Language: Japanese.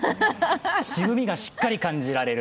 渋みがしっかり感じられる。